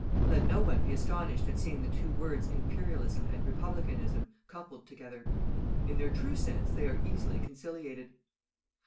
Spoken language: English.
Let no one be astonished at seeing the two words Imperialism and Republicanism coupled together. In their true sense, they are easily conciliated.